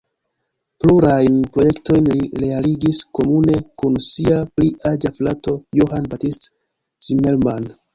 Plurajn projektojn li realigis komune kun sia pli aĝa frato Johann Baptist Zimmermann.